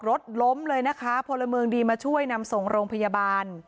รถล้มเลยนะคะพลเมืองดีมาช่วยนำส่งโรงพยาบาล